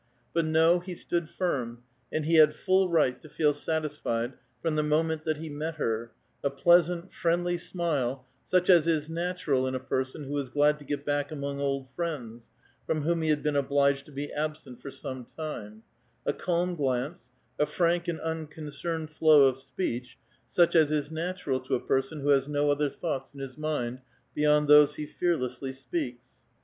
But, no, ho stood firm, and he had full right to feel satisfied from the moment that he met her ; a pleasant, friendly smile, such as is natural in a |K'rson who is glad to get back among old friends, from whom he had been obliged to be absent for some time ; a calm glance, a frank and uncon cerned flow of 8p>eech, such as is natural to a person who has no other thoughts in his mind, beyond those he fearlessly speaks.